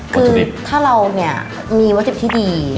คือถ้าเราเนี่ยมีวัตถุที่ดี